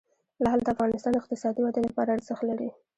لعل د افغانستان د اقتصادي ودې لپاره ارزښت لري.